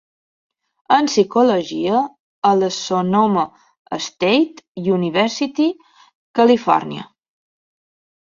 en Psicologia a la Sonoma State University, Califòrnia.